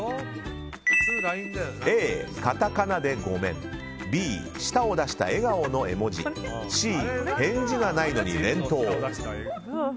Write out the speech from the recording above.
Ａ、カタカナでゴメンＢ、舌を出した笑顔の絵文字Ｃ、返事がないのに連投。